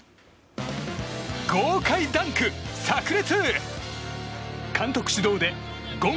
豪快ダンク炸裂！